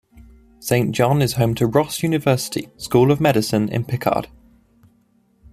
Saint John is home to Ross University School of Medicine in Picard.